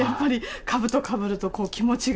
かぶとをかぶると気持ちが。